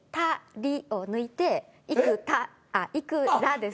「り」を抜いて「いくた」「いくら」です。